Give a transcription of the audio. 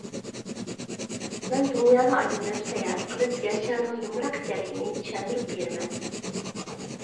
مەن دۇنيانى ئايلىنىپ ساياھەت قىلىپ يەر شارىنىڭ يۇمىلاق ئىكەنلىكىنى چۈشەندۈرۈپ بېرىمەن.